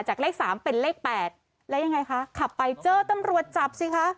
เลข๓เป็นเลข๘แล้วยังไงคะขับไปเจอตำรวจจับสิคะ